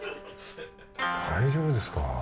大丈夫ですか？